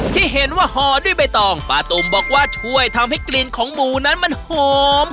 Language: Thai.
ที่เห็นว่าห่อด้วยใบตองป้าตุ๋มบอกว่าช่วยทำให้กลิ่นของหมูนั้นมันหอม